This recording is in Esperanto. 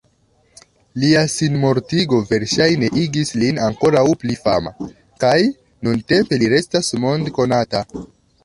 Lia sinmortigo verŝajne igis lin ankoraŭ pli fama, kaj nuntempe li restas mond-konata.